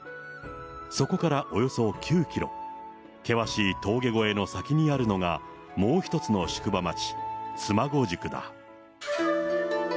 そこからおよそ９キロ、険しい峠越えの先にあるのがもう１つの宿場町、妻籠宿だ。